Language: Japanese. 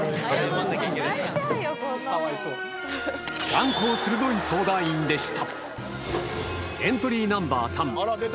眼光鋭い相談員でした